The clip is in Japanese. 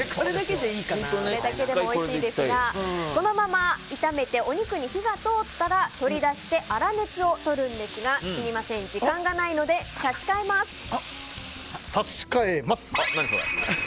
これだけでもおいしいですがこのまま炒めてお肉に火が通ったら取り出して粗熱をとるんですがすみません、時間がないので差し替えます。